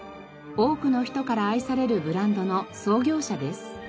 多くの人から愛されるブランドの創業者です。